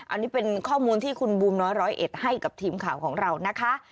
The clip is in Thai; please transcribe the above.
อันนี้เป็นข้อมูลที่คุณบูมน้อยร้อยเอ็ดให้กับทีมข่าวของเรานะคะ